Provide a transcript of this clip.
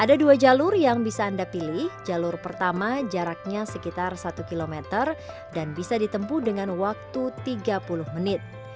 ada dua jalur yang bisa anda pilih jalur pertama jaraknya sekitar satu km dan bisa ditempuh dengan waktu tiga puluh menit